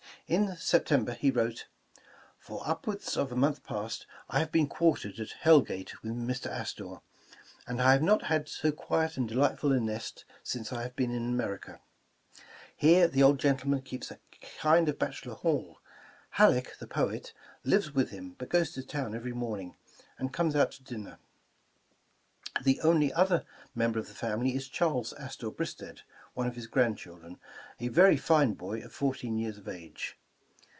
In Sep tember, he wrote: "For upwards of a month past I have been quar tered at Hell Gate with Mr. Astor, and I have not had so quiet and delightful a nest since I have been in America. Here the old gentleman keeps a kind of bachelor hall. Halleck, the poet, lives with him, but goes to town every morning, and comes out to dinner. The only other member of the family is Charles Astor Bristed, one of his grandchildren, a very fine boy of fourteen yeai'^ of age.